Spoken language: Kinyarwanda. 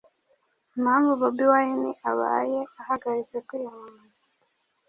Impamvu Bobi Wine abaye ahagaritse kwiyamamaza